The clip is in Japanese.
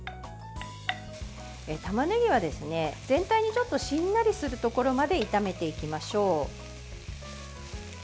たまねぎは全体にちょっとしんなりするところまで炒めていきましょう。